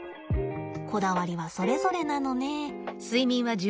こだわりはそれぞれなのね。